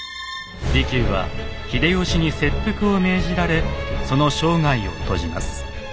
利休は秀吉に切腹を命じられその生涯を閉じます。